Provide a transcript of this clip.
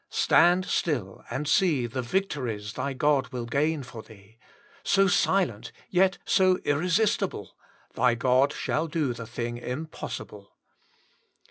Stand stUl and see The victories thy God will gain for thee ; So silent, yet so irresistible, Thy God shall do the thing impossible.